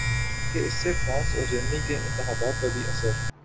کہ اس سے فرانس ا ور جرمنی کے انتخابات پر بھی اثر